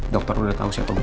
dokter udah tau siapa gue